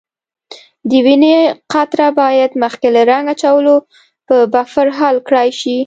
د وینې قطره باید مخکې له رنګ اچولو په بفر حل کړای شي.